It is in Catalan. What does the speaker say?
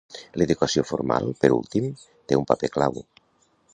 L'educació formal, per últim, té un paper clau.